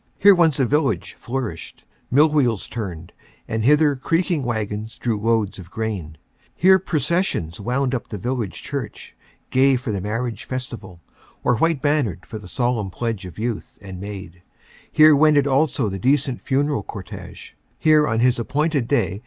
Here once a village flourished; mill wheels turned and hither creaking wagons drew loads of grain; here processions wound up to the village church, gay for the marriage festival, or white bannered for the solemn pledge of youth and maid ; here wended also the decent funeral cortege; here on his appointed day M.